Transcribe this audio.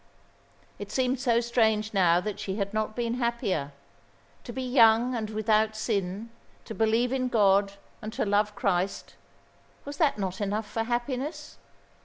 It seemed so strange now that she had not been happier. To be young and without sin: to believe in God and to love Christ. Was not that enough for happiness?